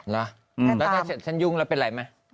แล้วถ้าฉันยุ่งแล้วเป็นอะไรไหม